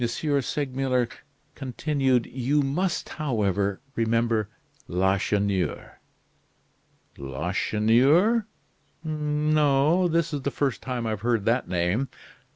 Segmuller continued: "You must, however, remember Lacheneur?" "Lacheneur? No, this is the first time I've heard that name."